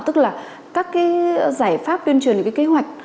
tức là các giải pháp tuyên truyền kế hoạch